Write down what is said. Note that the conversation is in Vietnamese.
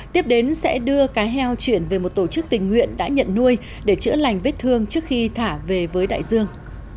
tiếp đến sẽ đưa cá heo chuyển về một tổ chức tình nguyện đã nhận nuôi để chữa lành vết thương trước khi thả về với đại dương